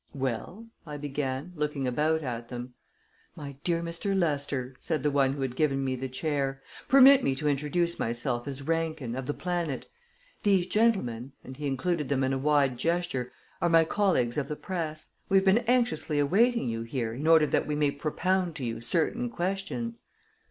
"Well?" I began, looking about at them. "My dear Mr. Lester," said the one who had given me the chair, "permit me to introduce myself as Rankin, of the Planet. These gentlemen," and he included them in a wide gesture, "are my colleagues of the press. We've been anxiously awaiting you here in order that we may propound to you certain questions."